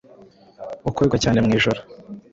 ukorwa cyane mu ijoro